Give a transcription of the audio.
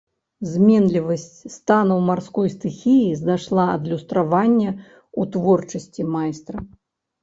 Зменлівасць станаў марской стыхіі знайшла адлюстраванне ў творчасці майстра.